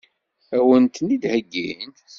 Ad wen-ten-id-heggin?